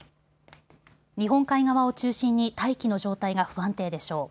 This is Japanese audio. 日本海側を中心に大気の状態が不安定でしょう。